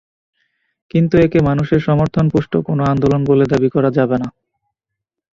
কিন্তু একে মানুষের সমর্থনপুষ্ট কোনো আন্দোলন বলে দাবি করা যাবে না।